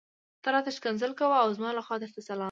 ته راته ښکنځل کوه او زما لخوا درته سلام دی.